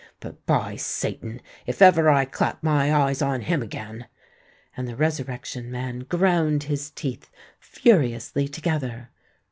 But, by Satan! if ever I clap my eyes on him again!"—and the Resurrection Man ground his teeth furiously together.